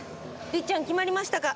律ちゃん決まりましたか？